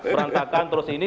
berangkakan terus ini